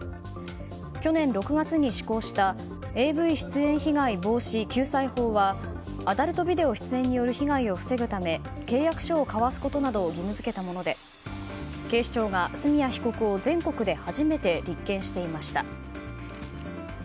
去年６月に施行したＡＶ出演被害防止・救済法はアダルトビデオ出演による被害を防ぐため契約書を交わすことなどを義務付けたもので警視庁が、角谷被告を全国で初めて立件していました。